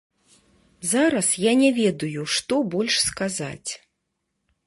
Зараз я не ведаю што больш сказаць.